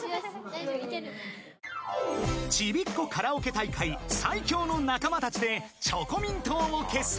［チビっ子カラオケ大会最強の仲間たちでチョコミン党を結成］